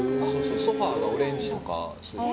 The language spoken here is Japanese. ソファがオレンジとか。